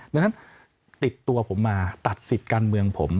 ดังนั้นติดตัวผมมาตัดสิทธิ์การเมืองผม